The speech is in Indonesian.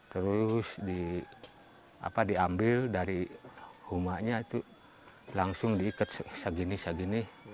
terus diambil dari rumahnya itu langsung diikat segini segini